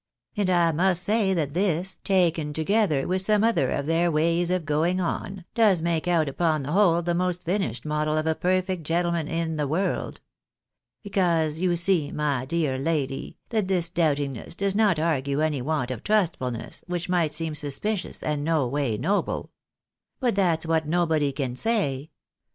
And I must say that this, taken together with some other of their ways of going on, does make out upon the whole the most finished model of a perfect gentleman in the world. Because you see, my dear lady, that this doubtingness does not argue any want of trustfulness, which might seem suspicious and no way noble. But that's what nobody can say.